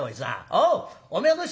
おうお前はどうした？」。